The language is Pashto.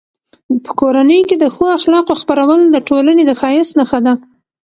په کورنۍ کې د ښو اخلاقو خپرول د ټولنې د ښایست نښه ده.